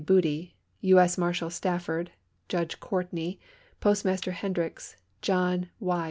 Boody, U.S. Marshal Stafford, Judge Courtney, Postmaster Hendrix, John Y.